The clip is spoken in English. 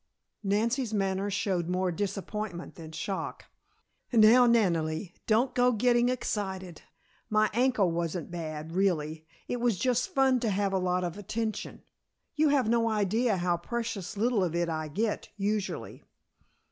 Nancy's manner showed more disappointment than shock. "Now, Nannily, don't go getting excited. My ankle wasn't bad, really. It was just fun to have a lot of attention. You have no idea how precious little of it I get, usually."